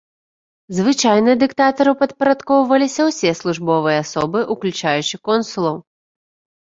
Звычайна дыктатару падпарадкоўваліся ўсе службовыя асобы, уключаючы консулаў.